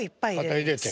肩入れて。